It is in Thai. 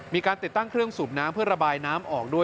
มีการติดตั้งเครื่องสูบน้ำเพื่อระบายน้ำออกด้วย